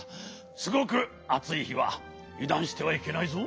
すごくあついひはゆだんしてはいけないぞ。